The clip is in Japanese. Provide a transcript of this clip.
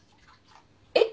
えっ？